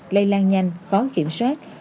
lây lan nhanh khó kiểm soát